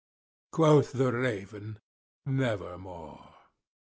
Quoth the raven, "Nevermore."